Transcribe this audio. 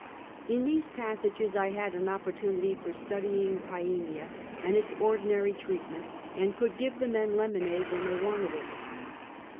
In these passages I had an opportunity for studying Piemia and its ordinary treatment, and could give the men lemonade when they wanted it.